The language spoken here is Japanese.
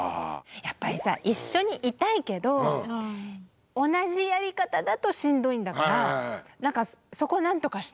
やっぱりさ一緒にいたいけど同じやり方だとしんどいんだからなんかそこを何とかしたいね。